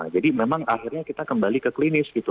jadi memang akhirnya kita kembali ke klinis gitu